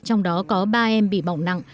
trong đó có ba em bị bỏng nặng